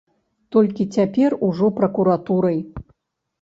Толькі цяпер ужо пракуратурай.